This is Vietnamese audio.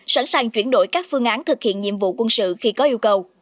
sẵn sàng chuyển đổi các phương án thực hiện nhiệm vụ quân sự khi có yêu cầu